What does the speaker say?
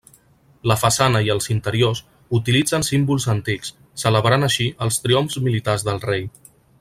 La façana i els interiors utilitzen símbols antics, celebrant així els triomfs militars del rei.